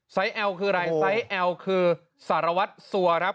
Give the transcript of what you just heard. ไซซ์แอลคืออะไรไซซ์แอลคือสารวัตรสัวน์เลยครับ